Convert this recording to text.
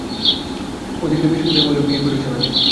অধিকারী বিস্মিত হইয়া বলিল, বিয়ে করেছ নাকি?